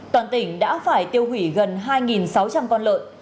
toàn tỉnh đã phải tiêu hủy gần hai sáu trăm linh con lợn